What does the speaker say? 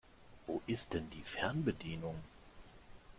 Wo ist denn die Fernbedienung?